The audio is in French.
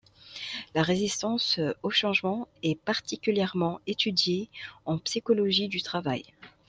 La résistance au changement est particulièrement étudiée en psychologie du travail.